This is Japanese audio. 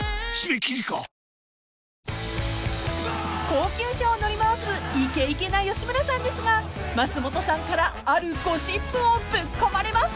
［高級車を乗り回すイケイケな吉村さんですが松本さんからあるゴシップをぶっ込まれます］